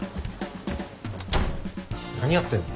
何やってんの？